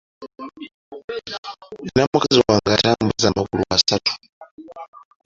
Nina mukazi wange atambuza amagulu asatu.